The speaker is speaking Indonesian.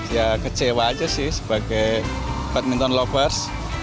ya kecewa aja sih sebagai badminton lovers